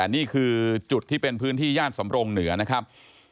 นี่คือจุดที่เป็นพื้นที่ย่านสำรงเหนือนะครับ